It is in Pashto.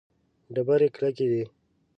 ډبرې کلکې دي.